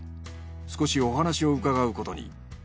少しお話を伺うことに。